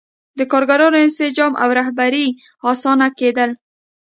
د کارګرانو انسجام او رهبري اسانه کېدل.